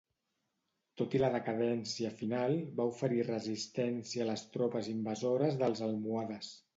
Tot i la decadència final, va oferir resistència a les tropes invasores dels almohades.